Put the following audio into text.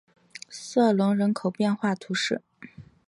瑟隆人口变化图示